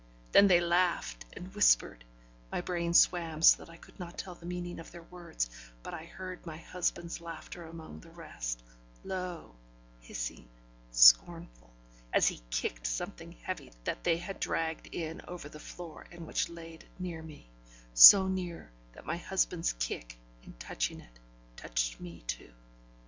Then they laughed and whispered; my brain swam so that I could not tell the meaning of their words, but I heard my husband's laughter among the rest low, hissing, scornful as he kicked something heavy that they had dragged in over the floor, and which layed near me; so near, that my husband's kick, in touching it, touched me too.